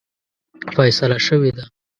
فیصله شوې ده.